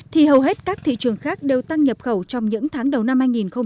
thì hầu hết các thị trường khác đều tăng nhập khẩu trong những tháng đầu năm hai nghìn hai mươi